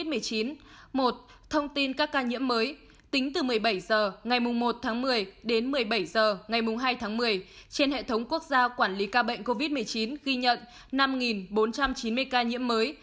tính từ một mươi bảy h ngày một tháng một mươi đến một mươi bảy h ngày hai tháng một mươi trên hệ thống quốc gia quản lý ca bệnh covid một mươi chín ghi nhận năm bốn trăm chín mươi ca nhiễm mới